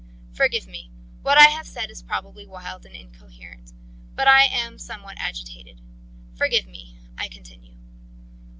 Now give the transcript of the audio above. "Forgive me. What I have said is probably wild and incoherent. But I am somewhat agitated. Forgive me. I continue.